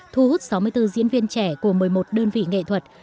thu hút sáu mươi bốn diễn viên trẻ của một mươi một đơn vị nghệ thuật